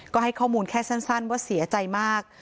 ก็ให้ข้อมูลแค่สั้นว่าเสียใจมาก